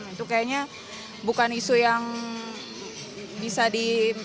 itu kayaknya bukan isu yang bisa di